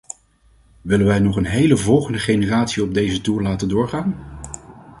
Willen wij nog een hele volgende generatie op deze toer laten doorgaan?